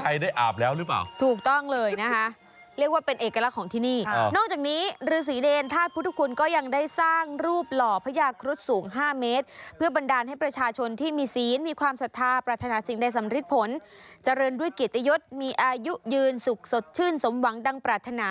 ใครได้อาบแล้วหรือเปล่าถูกต้องเลยนะคะเรียกว่าเป็นเอกลักษณ์ของที่นี่นอกจากนี้ฤษีเนรธาตุพุทธคุณก็ยังได้สร้างรูปหล่อพญาครุฑสูง๕เมตรเพื่อบันดาลให้ประชาชนที่มีศีลมีความศรัทธาปรารถนาสิ่งใดสำริดผลเจริญด้วยเกียรติยศมีอายุยืนสุขสดชื่นสมหวังดังปรารถนา